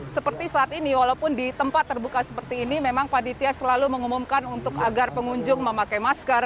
seperti saat ini walaupun di tempat terbuka seperti ini memang panitia selalu mengumumkan untuk agar pengunjung memakai masker